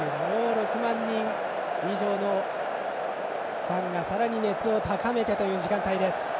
６万人以上のファンがさらに熱を高めてという時間帯。